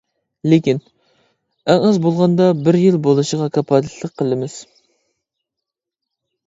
لېكىن، ئەڭ ئاز بولغاندا بىر يىل بولۇشىغا كاپالەتلىك قىلىمىز.